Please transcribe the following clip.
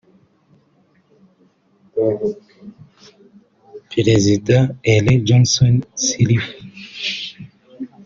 Perezida Ellen Johnson Sirleaf